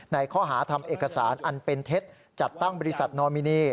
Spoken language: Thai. ในข้อหาทำเอกสารอันเป็นเท็จจัดตั้งบริษัทนอมินี